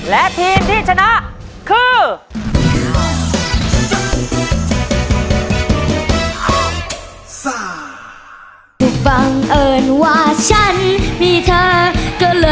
และทีมที่ชนะคือ